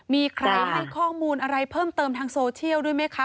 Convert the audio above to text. มีใครให้ข้อมูลอะไรเพิ่มเติมทางโซเชียลด้วยไหมคะ